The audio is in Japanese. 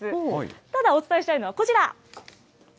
ただ、お伝えしたいのはこちら。